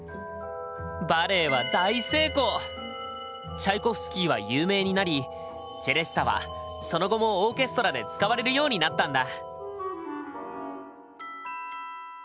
チャイコフスキーは有名になりチェレスタはその後もオーケストラで使われるようになったんだ。